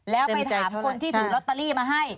แล้วไปถามคนที่ถือลอตเตอรี่มาให้